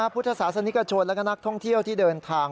พุทธศาสนิกชนและก็นักท่องเที่ยวที่เดินทาง